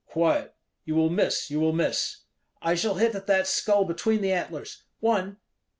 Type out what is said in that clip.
"Quiet! you will miss, you will miss." "I shall hit at that skull between the antlers one!